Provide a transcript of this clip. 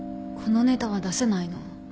このネタは出せないの。